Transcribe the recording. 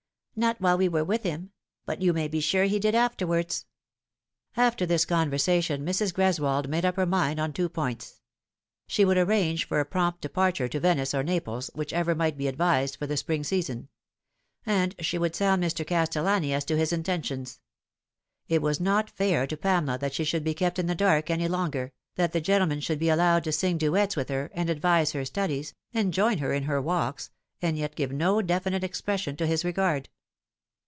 " Not while we were with him ; but you may be sure he did afterwards." After this conversation Mrs. Greswold made up her mind on two points. She would arrange for a prompt departure to Venice or Naples, which ever might be advised for the spring season ; and she would sound Mr. Castellani as to his intentions. It was not fair to Pamela that she should be kept in the dark any longer, that the gentleman should be allowed to sing duets with her, and advise her studies, and join her in her walks, and yet give no definite expression to his regard.